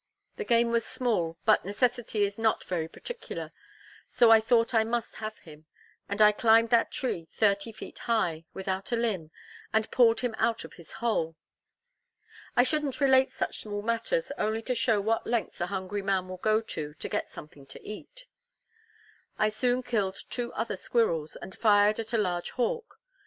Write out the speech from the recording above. The game was small, but necessity is not very particular; so I thought I must have him, and I climbed that tree thirty feet high, without a limb, and pulled him out of his hole. I shouldn't relate such small matters, only to show what lengths a hungry man will go to, to get something to eat. I soon killed two other squirrels, and fired at a large hawk.